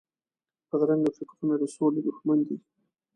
بدرنګه فکرونه د سولې دښمن وي